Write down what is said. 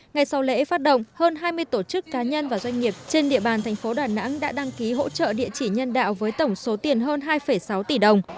ngày sau lễ phát động hơn hai mươi tổ chức cá nhân và doanh nghiệp trên địa bàn thành phố đà nẵng đã đăng ký hỗ trợ địa chỉ nhân đạo với tổng số tiền hơn hai sáu tỷ đồng